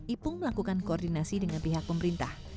ipung melakukan koordinasi dengan pihak pemerintah